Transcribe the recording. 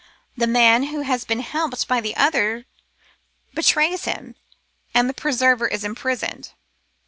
The man who had been helped by the other betrays him, and the preserver is imprisoned.